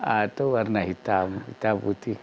atau warna hitam hitam putih